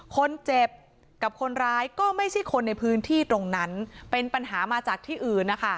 คนเจ็บกับคนร้ายก็ไม่ใช่คนในพื้นที่ตรงนั้นเป็นปัญหามาจากที่อื่นนะคะ